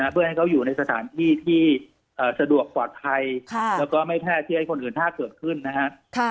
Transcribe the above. เพื่อให้เขาอยู่ในสถานที่ที่สะดวกปลอดภัยแล้วก็ไม่แพร่ที่ให้คนอื่นถ้าเกิดขึ้นนะครับ